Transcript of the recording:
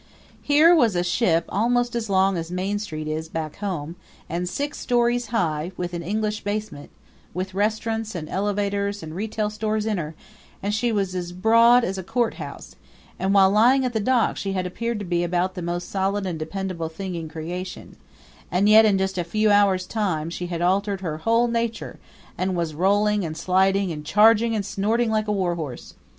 Here was a ship almost as long as Main Street is back home, and six stories high, with an English basement; with restaurants and elevators and retail stores in her; and she was as broad as a courthouse; and while lying at the dock she had appeared to be about the most solid and dependable thing in creation and yet in just a few hours' time she had altered her whole nature, and was rolling and sliding and charging and snorting like a warhorse.